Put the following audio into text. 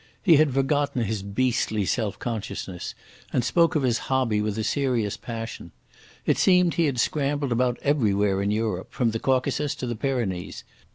He had forgotten his beastly self consciousness, and spoke of his hobby with a serious passion. It seemed he had scrambled about everywhere in Europe, from the Caucasus to the Pyrenees.